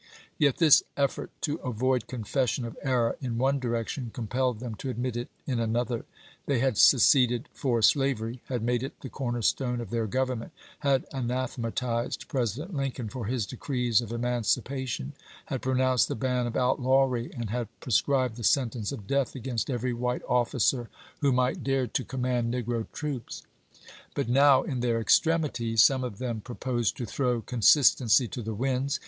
Yet this effort to avoid confession of error in one direction compelled them to admit it in another. They had seceded for slavery, had made it the corner stone of their Government, had anathematized President Lincoln for his decrees of emancipation, had pronounced the ban of outlawry, and had prescribed the sentence of death against every white ofi&cer who might dare to command negro troops ; but now, in their extremity, some of KETALIATION 485 them proposed to thi ow consistency to the winds cuap.